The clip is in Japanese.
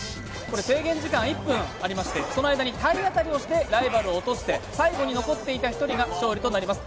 制限時間１分ありまして、その間に体当たりしてライバルを落として最後に残っていた１人が勝利になります。